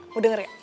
mau denger gak